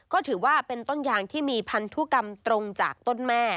ก็ถือว่าเป็นต้นยางที่มีพันธุกรรมตรงจากต้นแม่